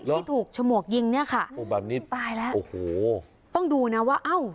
ที่ถูกฉมวกยิงเนี่ยค่ะโอ้แบบนี้ตายแล้วโอ้โหต้องดูนะว่าเอ้า